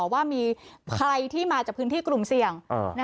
ว่ามีใครที่มาจากพื้นที่กลุ่มเสี่ยง